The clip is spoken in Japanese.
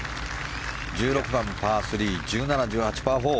１６番、パー３１７、１８番、パー４。